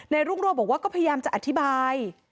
รุ่งโรธบอกว่าก็พยายามจะอธิบาย